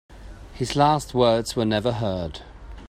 His last words were never heard.